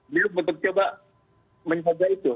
beliau mencoba menjaga itu